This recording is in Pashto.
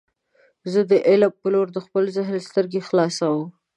زه د علم په لور د خپل ذهن سترګې خلاصوم.